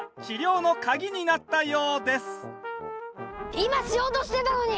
今しようとしてたのに！